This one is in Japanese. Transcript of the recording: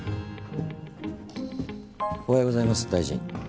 おはようございます大臣。